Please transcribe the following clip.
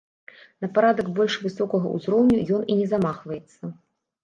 На парадак больш высокага ўзроўню ён і не замахваецца.